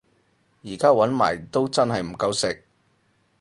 而家搵埋都真係唔夠食